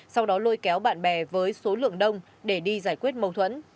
sau đó lôi kéo bạn bè với số lượng đông để đi giải quyết